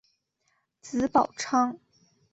子宝昌。